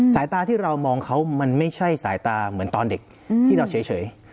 ตาที่เรามองเขามันไม่ใช่สายตาเหมือนตอนเด็กที่เราเฉย